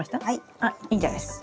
あっいいんじゃないですか。